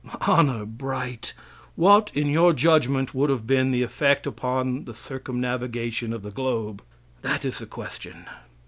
Honor bright, what, in your judgment, would have been the effect upon the circumnavigation of the globe? That is the question.